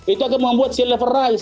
itu akan membuat sea level rise